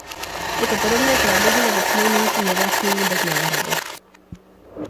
Je to podobné krádeži nebo přinejmenším vyvlastnění bez náhrady.